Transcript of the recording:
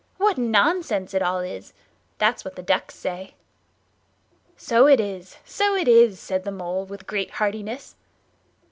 What nonsense it all is!' That's what the ducks say." "So it is, so it is," said the Mole, with great heartiness.